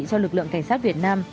cho lực lượng cảnh sát việt nam